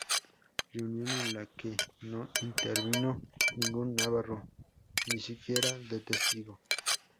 Reunión en la que no intervino ningún navarro, ni siquiera de testigo.